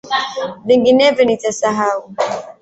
Vinginevyo nitasahau.